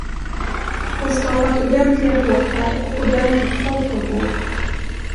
Och skapat ordentliga båtar och ordentligt folk ombord!